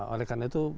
oleh karena itu